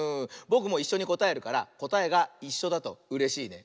ぼくもいっしょにこたえるからこたえがいっしょだとうれしいね。